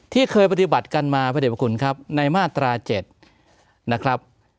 ที่เคยปฏิบัติกันมาพระเด็บคุณครับในมาตรา๗นะครับ